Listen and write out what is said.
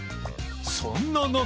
そんな中